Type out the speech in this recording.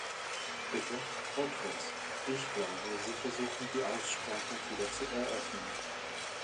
Bitte, Frau Thors, ich glaube, Sie versuchen die Aussprache wieder zu eröffnen.